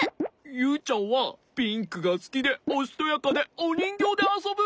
ユウちゃんはピンクがすきでおしとやかでおにんぎょうであそぶ！